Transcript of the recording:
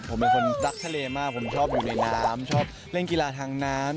ผมเป็นคนรักทะเลมากผมชอบอยู่ในน้ำชอบเล่นกีฬาทางน้ำ